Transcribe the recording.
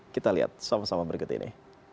kita lihat sama sama berikut ini